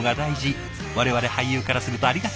我々俳優からするとありがたい！